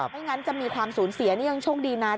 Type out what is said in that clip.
ไม่งั้นจะมีความสูญเสียนี่ยังโชคดีนะ